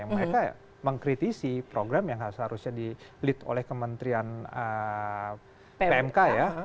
mereka mengkritisi program yang seharusnya di lead oleh kementerian pmk ya